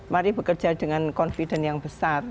mari bekerja dengan confident yang besar